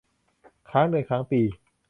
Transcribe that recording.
ค้างเดือนค้างปี